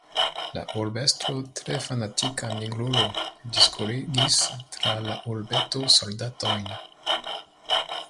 La urbestro, tre fanatika Nigrulo, diskurigis tra la urbeto soldatojn.